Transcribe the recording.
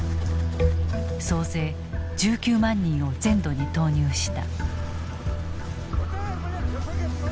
総勢１９万人を全土に投入した。